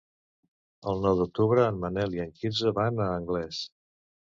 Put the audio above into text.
El nou d'octubre en Manel i en Quirze van a Anglès.